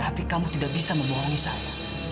tapi kamu tidak bisa membohongi saya